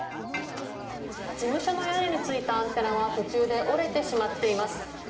事務所の屋根についたアンテナは途中で折れてしまっています。